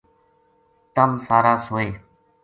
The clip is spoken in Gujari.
تم سارا سوئے